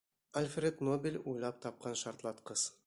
Альфред Нобель уйлап тапҡан шартлатҡыс.